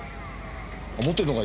持ってんのか？